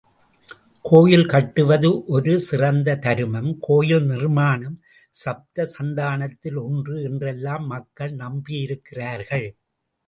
கோயில் கட்டுவது ஒரு சிறந்த தருமம், கோயில் நிர்மாணம் சப்தசந்தானத்தில் ஒன்று என்றெல்லாம் மக்கள் நம்பியிருக்கிறார்கள்.